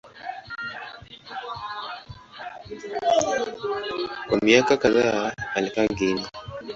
Kwa miaka kadhaa alikaa Guinea.